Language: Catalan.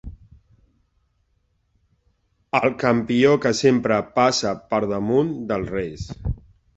El campió que sempre passa per damunt dels reis.